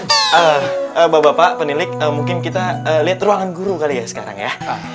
bapak bapak penilik mungkin kita lihat ruangan guru kali ya sekarang ya